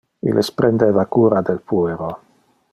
Illes prendeva cura del puero.